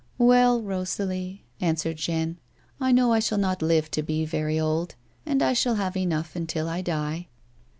" Well, Rosalie*^ answered Jeanne. " T know I shall not live to be very old, and I shall have enough until I die."